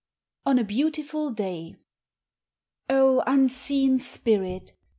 ON A BEAUTIFUL DAY. O unseen Spirit!